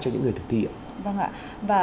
cho những người thực thi vâng ạ và